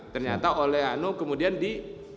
ternyata oleh anu kemudian di